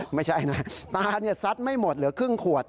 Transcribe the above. ไม่ใช่นะตาซัดไม่หมดเหลือครึ่งขวด